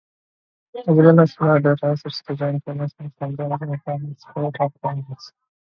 Isabela's flag derives its design, colors and symbolism from its Coat of Arms.